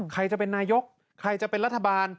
ใครจะเป็นนายกใครจะเป็นรัฐบาล